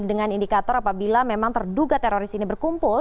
dengan indikator apabila memang terduga teroris ini berkumpul